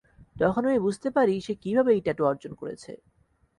তখন আমি বুঝতে পারি সে কীভাবে এই ট্যাটু অর্জন করেছে।